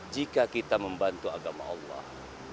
jika kita membantu agama allah